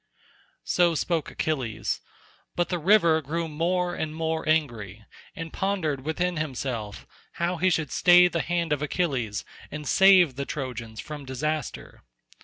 So spoke Achilles, but the river grew more and more angry, and pondered within himself how he should stay the hand of Achilles and save the Trojans from disaster.